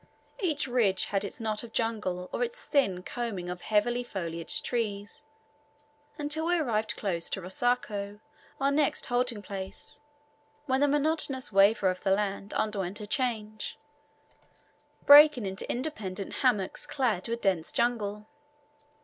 Each ridge had its knot of jungle or its thin combing of heavily foliaged trees, until we arrived close to Rosako, our next halting place, when the monotonous wavure of the land underwent a change, breaking into independent hummocks clad with dense jungle.